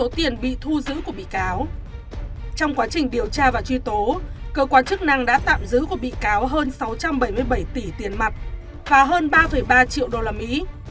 trong quá trình điều tra và truy tố cơ quan chức năng đã tạm giữ của bị cáo hơn sáu trăm bảy mươi bảy tỷ tiền mặt và hơn ba ba triệu đô la mỹ